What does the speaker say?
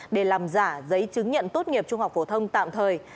để làm giả giấy chứng nhận tốt nghiệp trung học phổ thông tạm thời